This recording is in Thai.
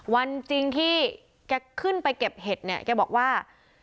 วันจริงที่แกขึ้นไปเก็บเห็ดเนี่ยแกบอกว่า